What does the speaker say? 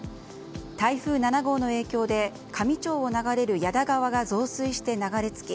台風７号の影響で香美町を流れる矢田川が増水して流れ着き